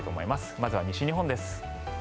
まずは西日本です。